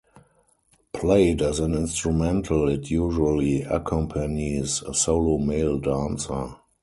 Played as an instrumental, it usually accompanies a solo male dancer.